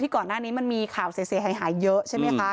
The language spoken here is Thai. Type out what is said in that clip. ก่อนหน้านี้มันมีข่าวเสียหายเยอะใช่ไหมคะ